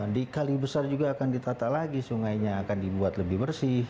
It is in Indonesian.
di kali besar juga akan ditata lagi sungainya akan dibuat lebih bersih